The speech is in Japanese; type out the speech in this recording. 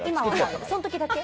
その時だけ？